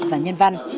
và nhân văn